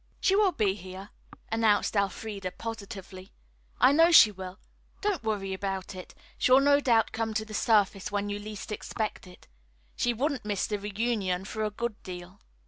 "She will be here," announced Elfreda positively. "I know she will. Don't worry about it. She will no doubt come to the surface when you least expect it. She wouldn't miss the reunion for a good deal."